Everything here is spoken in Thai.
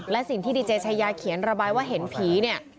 และสิ่งที่ดีเจชายาเขียนระบายว่าเห็นผีเนี่ย